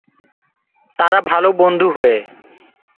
তারা ভাল বন্ধু হয়ে।